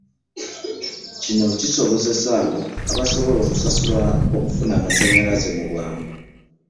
Kino kisobozese abo abasobola okusasula okufuna amasannyalaze mu bwangu.